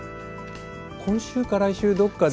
今週か来週どっかで。